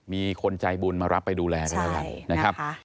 มีคนใจบุญมารับไปดูแลด้วยกัน